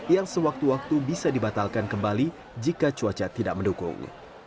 yang sewaktu waktu bisa dibatalkan kembali jika cuaca tidak mendukung